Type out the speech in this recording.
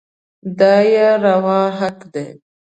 دا يې روا حق دی.